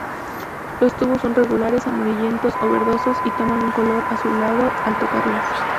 Los tubos son regulares, amarillentos o verdosos y toman un color azulado al tocarlos.